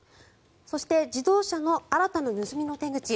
そして自動車の新たな盗みの手口